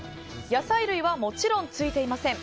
野菜類はもちろんついていません。